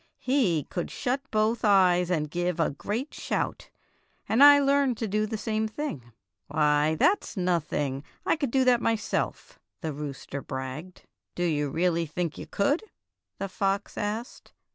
" He could shut both eyes and give a great shout, and I learned to do the same thing." "Why, that's nothing! I could do that myself," the rooster bragged. "Do you really think you could?" the fox asked.